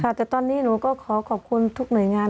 แต่ตอนนี้หนูก็ขอขอบคุณทุกหน่วยงาน